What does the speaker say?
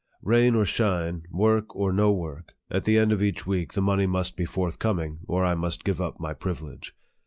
Rain or shine, work or no work, at the end of each week the money must be forthcoming, or I must give up my privilege.